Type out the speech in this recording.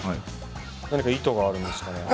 何か意図があるんですかね。